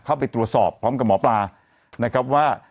เข้าไปตรวจสอบพร้อมกับหมอปลานะครับว่า